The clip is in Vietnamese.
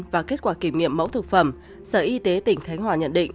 và kết quả kiểm nghiệm mẫu thực phẩm sở y tế tỉnh khánh hòa nhận định